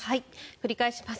繰り返します。